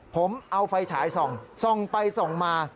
ผมเอาไฟฉายส่องส่องไปส่องมา